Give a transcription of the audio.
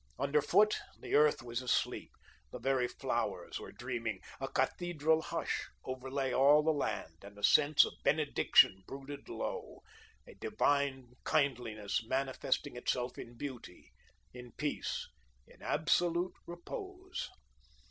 Underfoot, the earth was asleep. The very flowers were dreaming. A cathedral hush overlay all the land, and a sense of benediction brooded low, a divine kindliness manifesting itself in beauty, in peace, in absolute repose.